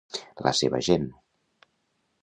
La seva gent.